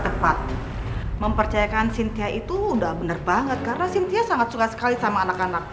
tepat mempercayakan sintia itu udah bener banget karena cynthia sangat suka sekali sama anak anak